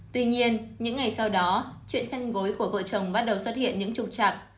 tuy nhiên những ngày sau đó chuyện chăn gối của vợ chồng bắt đầu xuất hiện những trục chặt